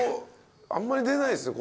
あんまり出ないですよね？